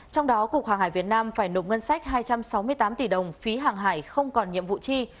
trong đó cục hàng hải việt nam phải nộp ngân sách hai trăm sáu mươi tám tỷ đồng phí hàng hải không còn nhiệm vụ chi